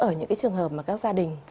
ở những cái trường hợp mà các gia đình